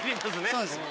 そうですね。